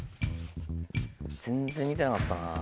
全然見てなかったな。